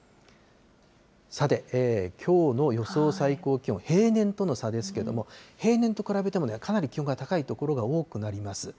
さて、きょうの予想最高気温、平年との差ですけれども、平年と比べても、かなり気温が高い所が多くなります。